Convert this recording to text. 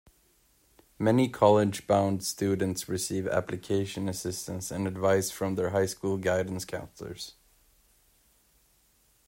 Many college-bound students receive application assistance and advice from their high school guidance counselors.